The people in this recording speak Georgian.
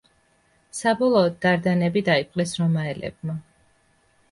საბოლოოდ დარდანები დაიპყრეს რომაელებმა.